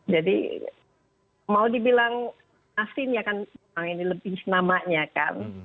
jadi mau dibilang asin ya kan ini lebih senamanya kan